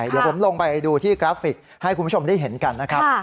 เดี๋ยวผมลงไปดูที่กราฟิกให้คุณผู้ชมได้เห็นกันนะครับ